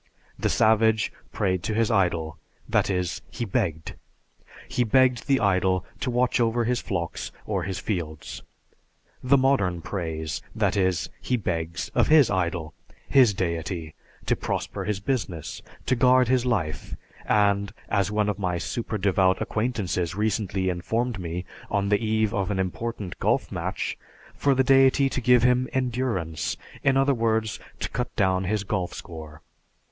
The savage prayed to his idol, that is, he begged. He begged the idol to watch over his flock or his fields. The modern prays, that is he begs of his idol, his deity, to prosper his business, to guard his life, and, as one of my "super devout" acquaintances recently informed me, on the eve of an important golf match, for the Deity to give him endurance; in other words, "to cut down his golf score."